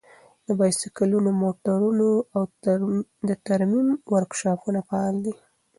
د بايسکلونو او موټرونو د ترمیم ورکشاپونه فعال دي.